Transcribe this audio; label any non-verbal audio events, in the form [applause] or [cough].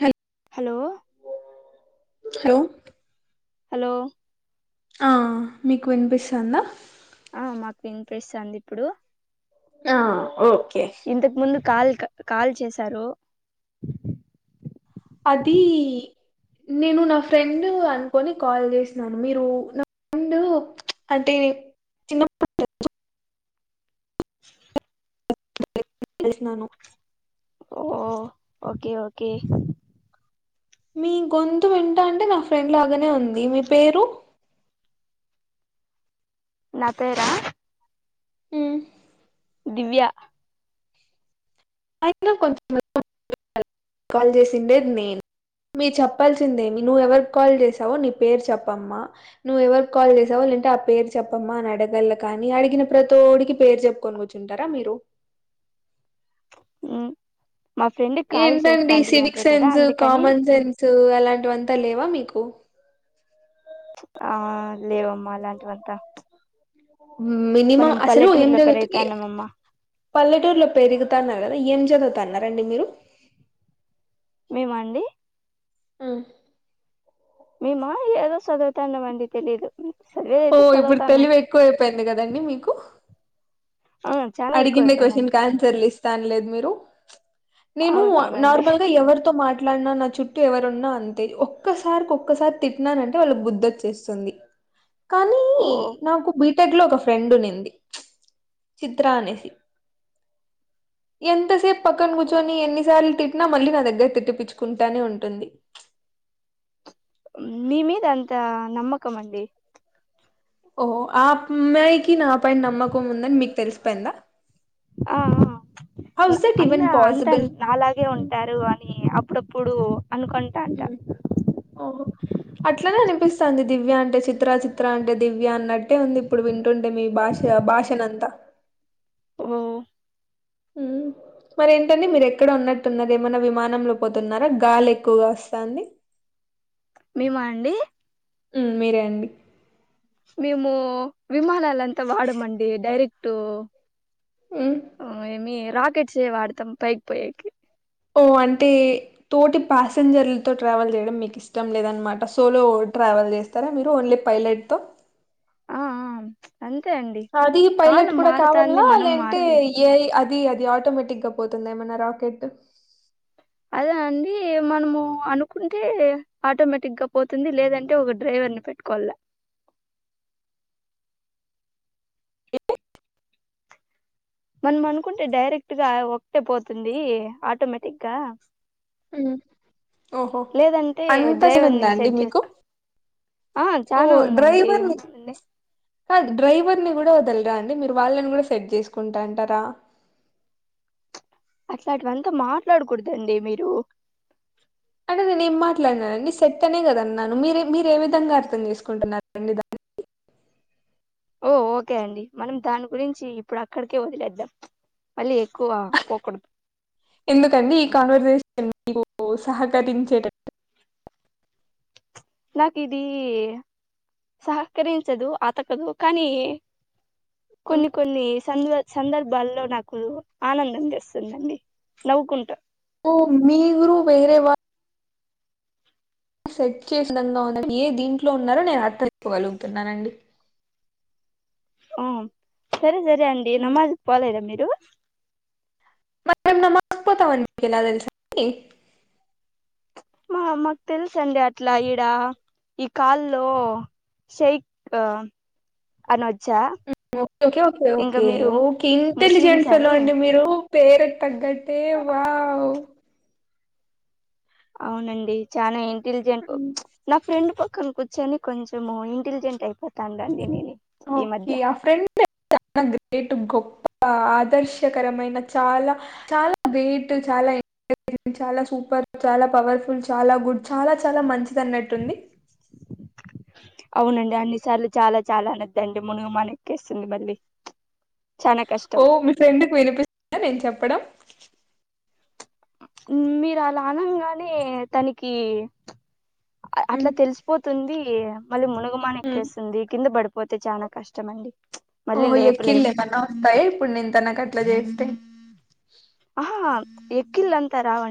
hello hello hello hello ఆ మీకు వినిపిస్తుందా ఆ మాకు వినిపిస్తుంది ఇప్పుడు ఆహ్ ఓకే ఇంతకు ముందు కాల్ కాల్ చేసారు అదీ నేను నా ఫ్రెండ్ అనుకొని కాల్ చేసినను మీరు నా డు అంటే చిన్న చేసినను [unintelligible] ఒకే ఒకే మీ గొంతు వింటంటే నా ఫ్రెండ్ లాగానే ఉంది మీ పేరు నా పేరా హమ్ దివ్య అయినా కొంచ కాల్ చేసిందే నేను మీరు చెప్పాల్సిందే మినుఎవర్ కాల్ చేసావో నీ పేరు చెప్పమ్మా నువ్వు ఎవరి కాల్ చేసావో లెంటే ఆ పేరు చెప్పమ్మా అని అడగల కాని అడిగిన ప్రతోడికి పేరు చెప్పుకొని కూర్చుంటారా మీరు హమ్ ఏంటండి సివిక్ కదా సెన్స్ సు అందుకని కామన్ సెన్స్ సు అలాంటివంతా లేవా మీకు ఆ లేవమ్మా అలాంటివంతా మినిమం మనం అసలు ఏం పల్లెటూరులో జరూగుత్ ఎ పెరుగుతాన్నామమ్మా పల్లెటూరులో పెరుగుతాన్న కదా ఏం చదువుతున్నారు అన్నారండి మీరు మండి హమ్ మీమా ఏదో సదువుతున్నామండి తెలీదు చదివేదైతే ఓఇప్పుడు చదువుతాన్నాం తెలివి ఎక్కువ అయిపోయింది కదండీ మీకు ఆ చాలా ఎక్కువ అడిగిన్నె అయిపోయిందండి క్యూస్షన్లకు ఆన్సర్లిస్ కాన్లే మీరు నేను అవునవునండి నార్మల్ గా ఎవరితో మాట్ నన్ను నా చుట్టూ ఎవరున్నా అంతే ఒక్కసారి ఒక్కసారి తిట్టినానంటే వాళ్లకి బుద్ధొచ్చేస్తుంది కానీ ఓ నాకు బీటెక్ లో ఒక ఫ్రెండ్ ఉనింది చిత్రనేసి ఎంతసేపు పక్కన కూర్చుని ఎన్ని రాల్ తిట్టినా మళ్ళీ నా దగ్గర తిట్టి పచ్చుకుంటానే ఉంటుంది మీ మీద అంత నమ్మకం అండి ఓహో ఆ అమ్మాయికి నాపైన నమ్మకం ఉందని మీకు తెలిసిపోయిందా ఆ ఆ హౌస్ దట్ అన్న ఈవెన్ అంతా పాసిబుల్ నాలాగే ఉంటారు అని అప్ ప్పుడప్పుడు అనుకుంటాంట ఓహో అట్లనే అనిపిస్తాంది దివ్య అంటే చిత్ర చిత్ర అంటే దివ్య అన్నట్టే ఉంది ఇప్పుడు వింటుంటే మీ భాష భాష నంత ఉమ్ హమ్ మరే ఏంటండి మీరు ఎక్కడ ఉన్నట్టున్నారు ఏమన్నా విమానంలో పోతున్నారా గాలి ఎక్కువగా వస్తాది మేమండి హమ్ మీ రే అండి మే ము విమానాలంతా వాడమండి డైరెక్ట్ మ్మ్ హు మేము రాకెట్సే వాడతాం పైకి పోయేకి ఓ అంటే తోటి ప్యాసెంజర్లతో ట్రావెల్ చేయడం మీకు ఇష్టం లేదనమాట సోలో పోవటం ట్రావెల్ చేస్తారా మీరు ఓన్లీ పైలట్ తో ఆ ఆ అంతే అండి అది పైలట్ కాలం కూడా మారుతాంది కావాలా మనం లేంటే మారల్ల ఏ ఐ అది అది ఆటోమేటిక్ గా పోతుందా ఏమన్నా రాకెట్ అవునండి మనము అనుకుంటే ఆటోమేటిక్ గా పోతుంది లేదంటే ఒక డ్రైవర్ పెళ్లికెట్టుకోళ్ల మనం అనుకుంటే డైరెక్టగా ఒకటే పోతుంది ఆటోమేటికగా మ్మ్ ఓహో లేదంటే అంత సీన్ డ్రైవర్ ని ఉందా అండి సెట్ మీకు చేసుకో ఆ చానా ఉందండి కాద్ డ్రైవర్ ని కూడా వదలరా అండి మీరు వాళ్ళని కూడా సెట్ చేసుకుంటా ఉంటారా ఇట్లాంటివి అంతా మాట్లాడకూడదండి మీరు [unintelligible] నే ఏం మాట్లాడినానండి సెట్ అనే కదా అన్నాను మీరే మీరు ఏ విధంగా అర్థం చేసుకుంటున్నారండి దాన్ని [inaudible] ఓ ఓకే అండి మనం దాని గురించి ఇప్పుడు అక్కడికే వదిలేద్దాం మళ్ళీ ఎక్కువ పోకూడదు ఎందుకండి ఈ కన్వర్సేషన్ మీకు సహకరించట నాకీది సహకరించదు అతకదు కానీ కొన్ని కొన్ని సంద సందర్భాల్లో నాకు ఆనందం తెస్తుందండి నవ్వుకుంటా ఓ మీగురు వేరే వా సెట్ చే ఏ దీంట్లో ఉన్నారో నేను అర్థకోగలుగుతున్నానండి [inaudible] ఆ సరే సరే అండి నమాజ్ కీ పోలేదా మీరు మరి మీరు నమాజ్ కి పోతారనుకున్న తెలుసాండీ మా మాకు తెలుసండి అట్లా ఈడా ఈ కాల్లో శైక్ అన ఓకే ఓకే మీరు ఓకే ముస్లిమ్స్ ఇంటెలిజెంట్స్ ఫెలో అని అండి మీరు పేరుకు తగ్గటే వావ్ అవునండి చానా ఇంటెలిజెంట్ నా ఫ్రెండ్ పక్కన కూర్చొని కొంచెం ఇంటెలిజెంట్ అయిపోతాండండి నేను ఈ మధ్య ఓకే ఆ ఫ్రెండ్ పేరు చెప్పండి గ్రేట్ ఆదర్శకరమైన చాలా చాలా గేట్ చాలా చాలా సూపర్ చాలా పవర్ఫుల్ చాలా గుడ్ చాలా చాలా మంచిది అన్నట్టు ఉంది [inaudible] అవునండి అన్ని సార్లు చాలా చాలా అనద్దండి మునుగు మన ఎక్కేస్తుంది మళ్ళీ చానా కష్టం ఓ మీ ఫ్రెండ్కి వినిపిస్తుందా నేను చెప్పడం మీరు అలా అనంగానే తనకి అట్లా ఉమ్, తెలిసిపో తుంది మళ్ళీ మునుగుమాన ఉమ్, ఎక్కేస్తుంది కింద పడిపోతే చాలా కష్టం అండి మళ్ళీ ఓహో లేపలేం ఎక్కిన్లే మన్నా వస్తాయి ప నేన్నా కట్లా చేస్తే ఆహ ఎకిల్ అంత రావ